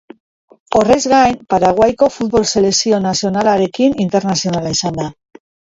Horrez gain, Paraguaiko futbol selekzio nazionalarekin internazionala izan da.